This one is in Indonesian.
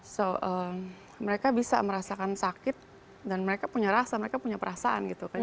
so mereka bisa merasakan sakit dan mereka punya rasa mereka punya perasaan gitu kan